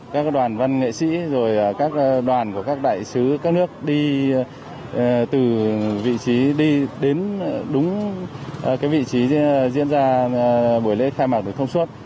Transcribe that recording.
các đoàn văn nghệ sĩ rồi các đoàn của các đại sứ các nước đi từ vị trí đi đến đúng vị trí diễn ra buổi lễ khai mạc được thông suốt